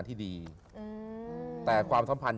รวดเร็วมาก